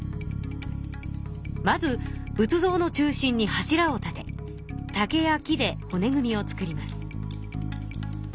まず仏像の中心に柱を立て竹や木でほね組みを作ります。